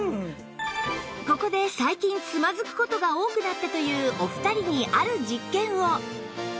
ここで最近つまずく事が多くなったというお二人にある実験を